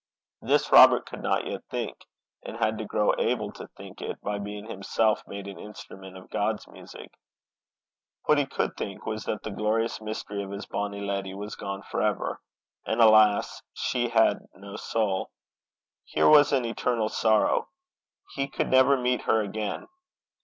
This Robert could not yet think, and had to grow able to think it by being himself made an instrument of God's music. What he could think was that the glorious mystery of his bonny leddy was gone for ever and alas! she had no soul. Here was an eternal sorrow. He could never meet her again.